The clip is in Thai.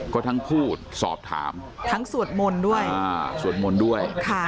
ก็ทั้งพูดสอบถามทั้งสวดมนต์ด้วย